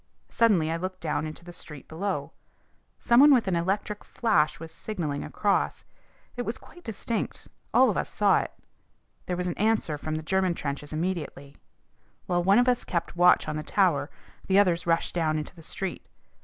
Suddenly I looked down into the street below. Some one with an electric flash was signalling across. It was quite distinct. All of us saw it. There was an answer from the German trenches immediately. While one of us kept watch on the tower the others rushed down into the street.